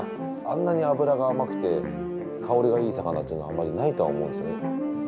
あんなに脂が甘くて香りがいい魚というのはあまりないと思うんですよね。